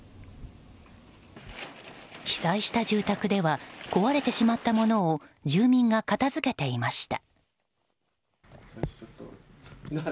被災した住宅では壊れてしまったものを住民が片付けていました。